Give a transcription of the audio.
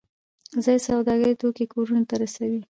ځایی سوداګر توکي کورونو ته رسوي